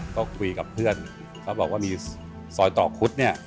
ก็คุยกับเพื่อนเขาบอกว่ามีซอยต่อคุดเนี่ย